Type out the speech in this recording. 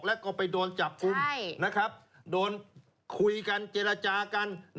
และก็ไปโดนจับภูมิโดนคุยกันเจรจากัน